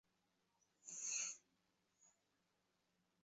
বিশ্বের বিভিন্ন শহরের অভিবাসী বাঙালিদের দিকে তাকালেই সেই সত্যটি অনুধাবন করা যায়।